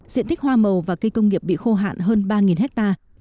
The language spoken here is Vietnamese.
diện tích hoa màu và cây công nghiệp bị khô hạn hơn ba hectare